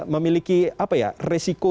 memiliki apa ya resiko